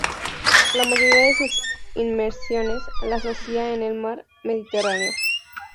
La mayoría de sus inmersiones las hacía en el Mar Mediterráneo.